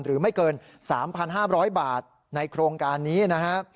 ไม่เกิน๓๕๐๐บาทในโครงการนี้นะฮะ